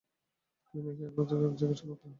বিনয় কী উপকার জিজ্ঞাসা করিল।